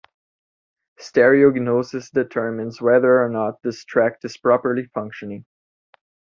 Stereognosis determines whether or not this tract is properly functioning.